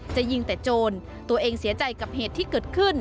จะยิงแต่โจรตัวเองเสียใจกับเหตุที่เกิดขึ้น